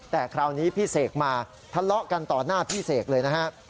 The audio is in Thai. แต่คราวนี้พี่เสกมาทะเลาะกันต่อหน้าพี่เสกเลยนะฮะ